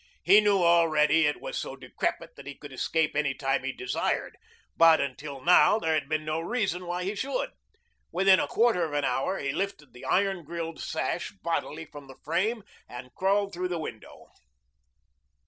He knew already it was so decrepit that he could escape any time he desired, but until now there had been no reason why he should. Within a quarter of an hour he lifted the iron grilled sash bodily from the frame and crawled through the window.